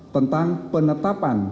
tentang penetapan